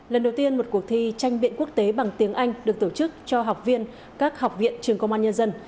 lần đầu tiên một cuộc thi tranh biện quốc tế bằng tiếng anh được tổ chức cho học viên các học viện trường công an nhân dân